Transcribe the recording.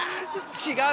違う？